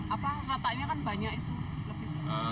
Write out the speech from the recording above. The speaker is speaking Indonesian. apa rata rata kan banyak itu